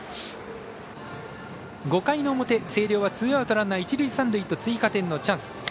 ５回の表、星稜はツーアウトランナー、一塁三塁と追加点のチャンス。